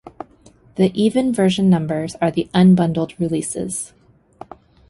The even version numbers are the unbundled releases.